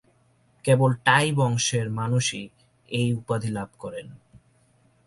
কেবল টাই বংশের মানুষই এই উপাধি লাভ করেন।